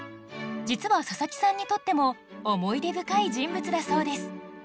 実は佐佐木さんにとっても思い出深い人物だそうです